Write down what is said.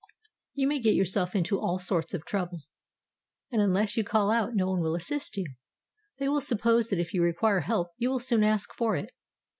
You may get yourself into all sorts of trouble, and unless you call out no one will assist you. They will suppose that if you require help you will soon ask for it.